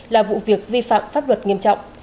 là vụ việc vi phạm pháp luật nghiêm trọng